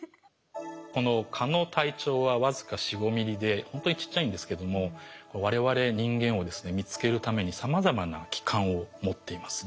この蚊の体長は僅か４５ｍｍでほんとにちっちゃいんですけどもわれわれ人間をですね見つけるためにさまざまな器官を持っています。